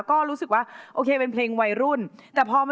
กีดกันด้วยภูภาสูงชั้น